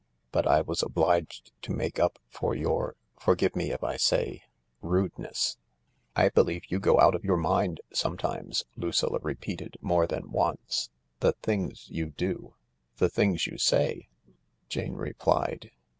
But I was obliged to make up for your — forgive me if I say rudeness." " I believe you go out of your mind sometimes," Lucilla repeated more than once ;" the things you do — the things you say !" Jane replied.